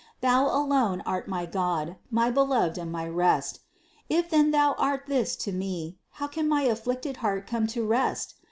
Thou alone art my God, my Beloved and my rest : If then Thou art this to me, how can my afflicted heart come to rest?